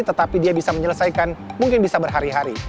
tetapi dia bisa menyelesaikan mungkin bisa berhari hari